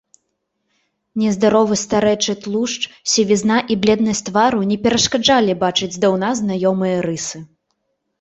Нездаровы старэчы тлушч, сівізна і бледнасць твару не перашкаджалі бачыць здаўна знаёмыя рысы.